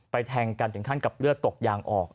แทงกันถึงขั้นกับเลือดตกยางออก